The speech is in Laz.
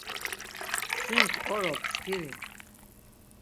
Sin ǩqorop skiri.